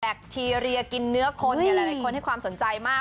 คทีเรียกินเนื้อคนเนี่ยหลายคนให้ความสนใจมาก